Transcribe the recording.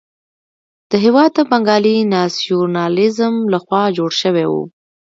دا هېواد د بنګالي ناسیونالېزم لخوا جوړ شوی وو.